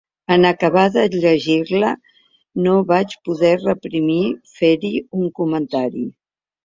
En acabar de llegir-la no vaig poder reprimir fer-hi un comentari.